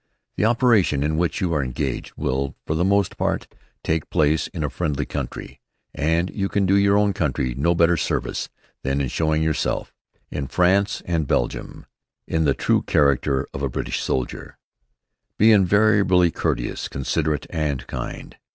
The operations in which you are engaged will, for the most part, take place in a friendly country, and you can do your own country no better service than in showing yourself, in France and Belgium, in the true character of a British soldier. Be invariably courteous, considerate, and kind.